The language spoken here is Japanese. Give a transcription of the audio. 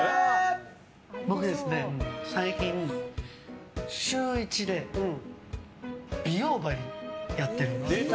僕ですね、最近週１で美容鍼をやっているんです。